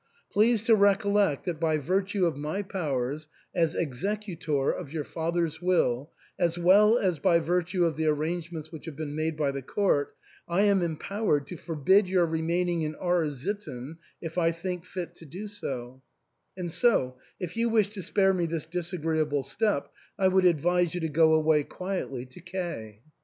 Please to recollect that by virtue of my powers as ex ecutor of your father's will, as well as by virtue of the arrangements which have been made by the court, I am empowered to forbid your remaining in R — sitten if I think fit to do so ; and so, if you wish to spare me this disagreeable step, I would advise you to go away quietly to K